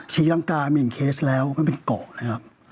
ศรีลังกา๑เคสแล้วมันเป็นเกาะนะครับ